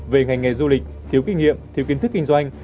về ngành nghề du lịch thiếu kinh nghiệm thiếu kiến thức kinh doanh